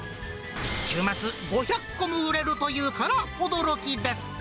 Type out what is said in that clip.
週末、５００個も売れるというから驚きです。